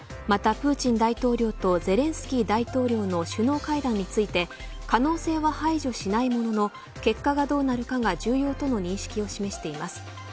また、プーチン大統領とゼレンスキー大統領の首脳会談について可能性は排除しないものの結果がどうなるかが重要との認識を示しています。